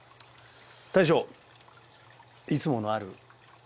大将いつものある？